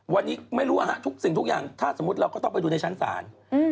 วันนี้ไม่ต้องไปดูในชั้นสาร